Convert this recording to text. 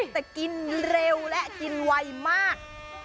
แต่กินเร็วและกินไวมาก